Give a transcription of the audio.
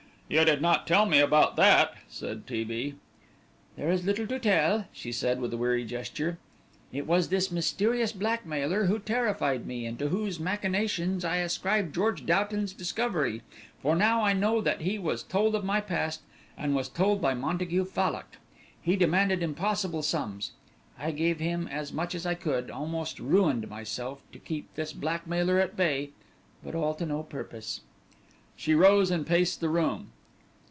"You did not tell me about that," said T. B. "There is little to tell," she said, with a weary gesture; "it was this mysterious blackmailer who terrified me, and to whose machinations I ascribe George Doughton's discovery, for now I know that he was told of my past, and was told by Montague Fallock. He demanded impossible sums. I gave him as much as I could, almost ruined myself to keep this blackmailer at bay, but all to no purpose." She rose and paced the room.